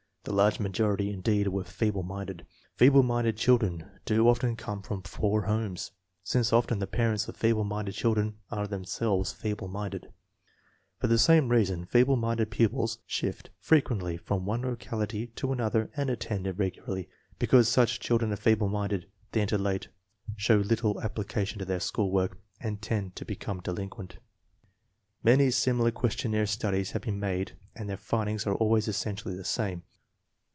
The large majority, indeed, were feeble minded. Feeble minded children do often come from poor homes, since often the parents of feeble minded children are themselves feeble minded. For the same reason, feeble minded pupils shift frequently from one locality to another and attend irregularly. Because such children are feeble minded, they enter late, show little applica 116 INTELLIGENCE OF SCHOOL CHILDREN tion in their school work, and tend to become delin quent. Many similar questionnaire studies have been made and their findings are always essentially the same.